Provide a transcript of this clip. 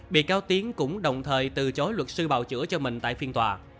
bị cáo tiến cũng đồng thời từ chối luật sư bào chữa cho mình tại phiên tòa